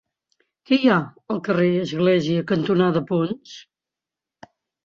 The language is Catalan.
Què hi ha al carrer Església cantonada Ponts?